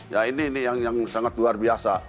ya ini yang sangat luar biasa